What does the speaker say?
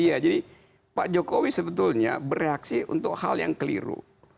iya jadi pak jokowi sebetulnya bereaksi untuk hal yang keliru